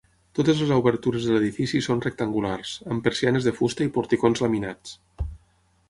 Totes les obertures de l'edifici són rectangulars, amb persianes de fusta i porticons laminats.